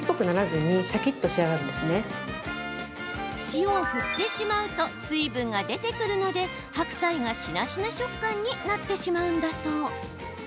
塩を振ってしまうと水分が出てくるので白菜が、しなしな食感になってしまうんだそう。